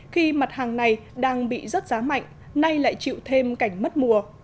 khi mặt hàng này đang bị rớt giá mạnh nay lại chịu thêm cảnh mất mùa